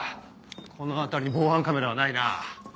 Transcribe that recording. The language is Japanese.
この辺りに防犯カメラはないな。